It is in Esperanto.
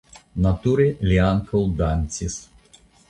Nature li ankaŭ dancis.